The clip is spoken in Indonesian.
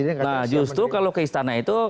nah justru kalau ke istana itu